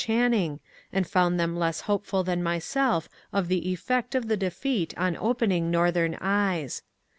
Channing, and found them less hopeful than myself of the effect of the defeat on opening Northern eyes.